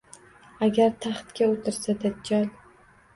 Agar taxtda o’tirsa dajjol